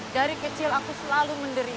dari kecil aku selalu menderita